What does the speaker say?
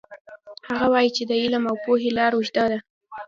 هغه وایي چې د علم او پوهې لار اوږده ده